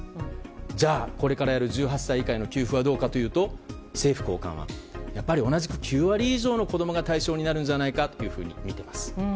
じゃあ、これからやる１８歳以下への給付はどうかというと政府高官は、やっぱり同じく９割以上の子供が対象になるのではないかと見ています。